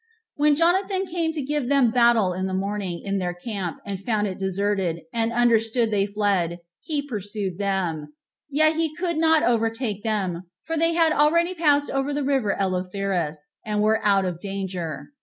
When Jonathan came to give them battle in the morning in their camp, and found it deserted, and understood they were fled, he pursued them; yet he could not overtake them, for they had already passed over the river Eleutherus, and were out of danger.